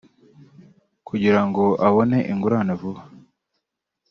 kugira ngo abone ingurane vuba